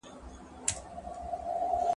ورځ په برخه د سېلۍ وي یو پر بل یې خزانونه